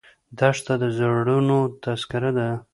دښته د زړونو تذکره ده.